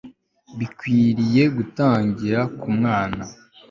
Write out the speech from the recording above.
bikwiriye gutangirira ku mwana